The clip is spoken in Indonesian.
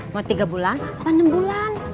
mau tiga bulan apa enam bulan